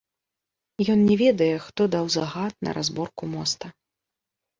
Ён не ведае, хто даў загад на разборку моста.